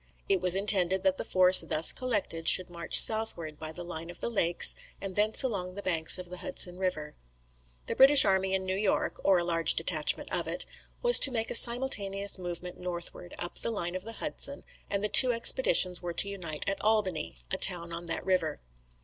It was intended that the force thus collected should march southward by the line of the lakes, and thence along the banks of the Hudson river. The British army in New York (or a large detachment of it) was to make a simultaneous movement northward, up the line of the Hudson, and the two expeditions were to unite at Albany, a town on that river.